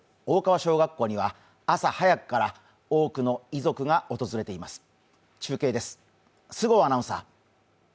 大川小学校には朝早くから多くの遺族が訪れています。